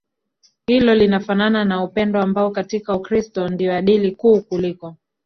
Hilo linafanana na upendo ambao katika Ukristo ndio adili kuu kuliko